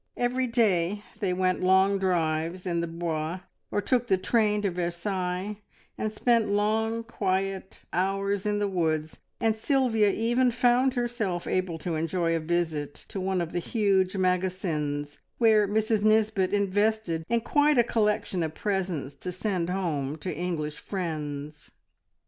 Every day they went long drives in the Bois, or took the train to Versailles, and spent long quiet hours in the woods, and Sylvia even found herself able to enjoy a visit to one of the huge Magasins, where Mrs Nisbet invested in quite a collection of presents to send home to English friends.